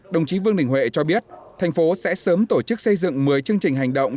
đồng chí vương đình huệ cho biết thành phố sẽ sớm tổ chức xây dựng một mươi chương trình hành động